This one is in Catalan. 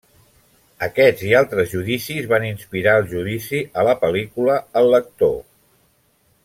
Aquest i altres judicis van inspirar el judici a la pel·lícula El lector.